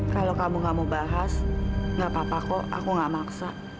kalau kamu gak mau bahas nggak apa apa kok aku gak maksa